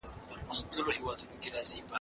ټولنپوهنه انسان ته بصیرت ورکوي.